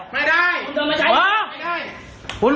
ปรากฏว่าสิ่งที่เกิดขึ้นคือคลิปนี้ฮะ